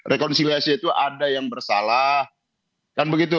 rekonsiliasi itu ada yang bersalah kan begitu